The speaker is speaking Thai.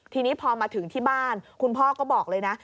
ทีนี้พอมาถึงที่บ้านคุณพ่อก็บอกเลยนะ